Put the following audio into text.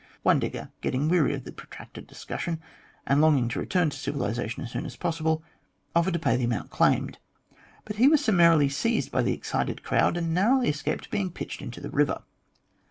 One digger, getting weary of the protracted discus sion, and longing to return to civilisation as soon as possible, offered to pay the amount claimed. But he was summarily seized by the excited crowd and narrowly escaped being pitched into the river.